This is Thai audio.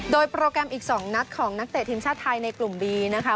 โดยโปรแกรมอีก๒นัดของนักเตะทีมชาติไทยในกลุ่มบีนะคะ